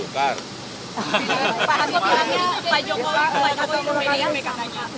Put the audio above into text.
ketua bdm bukan dulukar